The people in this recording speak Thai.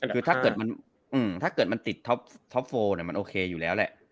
คือถ้าเกิดมันอืมถ้าเกิดมันติดเนี่ยมันโอเคอยู่แล้วแหละ